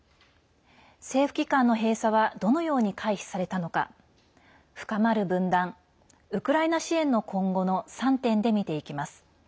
政府機関の閉鎖はどのように回避されたのか深まる分断ウクライナ支援の今後の３点で見ていきます。